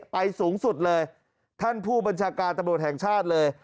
สูงสุดเลยท่านผู้บัญชาการตำรวจแห่งชาติเลย